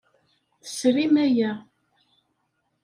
Tesrim aya.